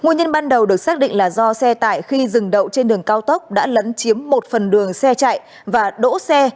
nguồn nhân ban đầu được xác định là do xe tải khi dừng đậu trên đường cao tốc đã lấn chiếm một phần đường xe chạy và đỗ xe